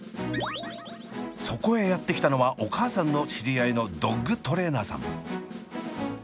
そこへやって来たのはお母さんの知り合いのドッグトレーナーさん。